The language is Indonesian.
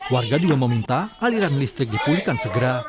warga juga meminta aliran listrik dipulihkan segera